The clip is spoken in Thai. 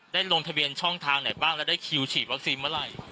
ลงทะเบียนช่องทางไหนบ้างแล้วได้คิวฉีดวัคซีนเมื่อไหร่